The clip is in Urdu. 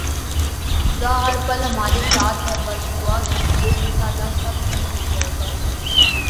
خدا ہر پل ہمارے ساتھ ہے بس دعا کیجئے، انشاءاللہ سب ٹھیک ہوجائےگا